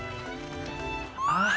ああ。